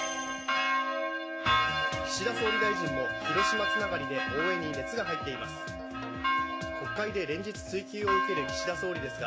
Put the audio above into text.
岸田総理大臣も広島つながりで応援に熱が入っています。